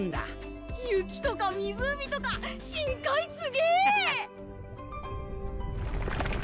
雪とか湖とか深海すげえ！